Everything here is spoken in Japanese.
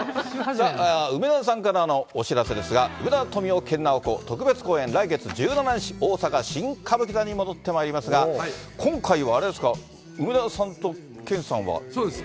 さあ梅沢さんからのお知らせですが、梅沢富美男・研ナオコ特別公演、来月１７日、大阪・新歌舞伎座に戻ってまいりますが、今回、あれですか、そうです。